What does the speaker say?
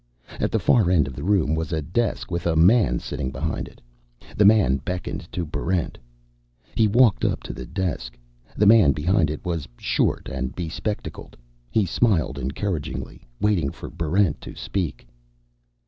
At the far end of the room was a desk with a man sitting behind it. The man beckoned to Barrent. He walked up to the desk. The man behind it was short and bespectacled. He smiled encouragingly, waiting for Barrent to speak.